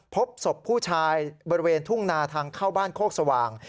พบศพผู้ชายบริเวณทุ่งนาทางเข้าบ้านโคกสว่าง